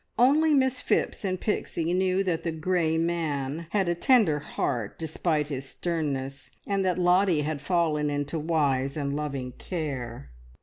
Only Miss Phipps and Pixie knew that the "grey man" had a tender heart despite his sternness, and that Lottie had fallen into wise and loving care.